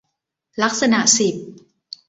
ลักษณะสิบ